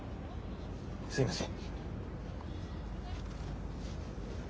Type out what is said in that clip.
すみません。